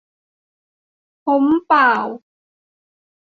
พ้มป่าว